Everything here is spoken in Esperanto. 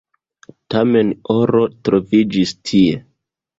Tamen oro troviĝis tie.